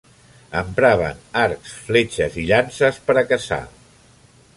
Empraven arcs i fletxes i llances per a caçar.